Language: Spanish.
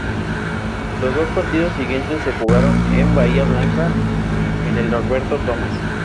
Los dos partidos siguientes se jugaron en Bahía Blanca, en el Norberto Tomás.